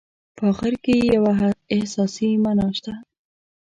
په اخر کې یوه احساسي معنا شته.